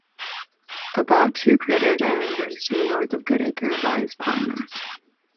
About two crater diameters to the north of Goodacre lies Pontanus.